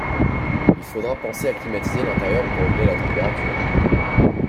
Il faudra penser à climatiser l’intérieur pour régler la température.